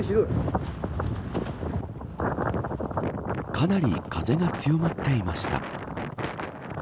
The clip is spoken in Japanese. かなり風が強まっていました。